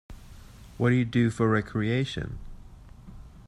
What do you do for recreation?